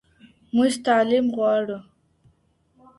موږ تعليم غواړو.